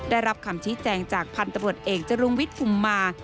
ได้รับคำชี้แจงจากพันธบรวจเอกจรุงวิทย์ภูมิมา